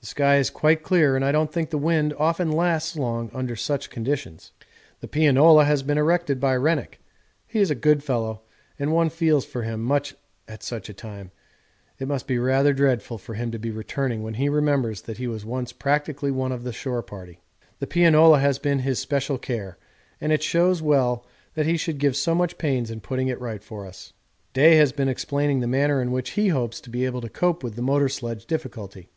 The sky is quite clear and I don't think the wind often lasts long under such conditions. The pianola has been erected by Rennick. He is a good fellow and one feels for him much at such a time it must be rather dreadful for him to be returning when he remembers that he was once practically one of the shore party._11_ The pianola has been his special care, and it shows well that he should give so much pains in putting it right for us. Day has been explaining the manner in which he hopes to be able to cope with the motor sledge difficulty.